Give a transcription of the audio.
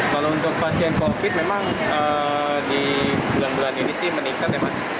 kalau untuk pasien covid sembilan belas memang di bulan bulan ini meningkat